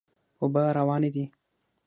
اوبه روانې دي.